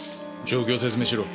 状況を説明しろ。